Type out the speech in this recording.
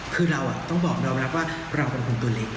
คือเราอ่ะต้องบอกแมวรักว่าเรากลุ่มตัวเล็ก